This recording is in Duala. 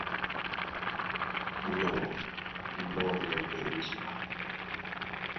Búnyá ɓɔɔ́ mbɔ́ ní alónɔ̄ pɛ́ ó jǐɓa,